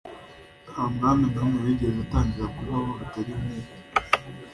nta mwami n'umwe wigeze atangira kubaho bitari nk'uko